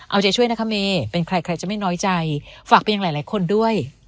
เอาใจช่วยนะคะเมย์เป็นใครใครจะไม่น้อยใจฝากไปยังหลายคนด้วย